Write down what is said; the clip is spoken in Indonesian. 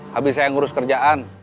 habis saya ngurus kerjaan